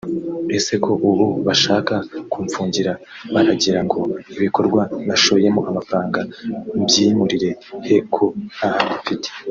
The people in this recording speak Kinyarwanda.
ese ko ubu bashaka kumfungira baragira ngo ibikorwa nashoyemo amafaranga mbyimurire he ko ntahandi mfite